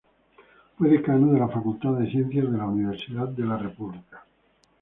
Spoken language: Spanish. Fue Decano de la Facultad de Ciencias en la Universidad de la República.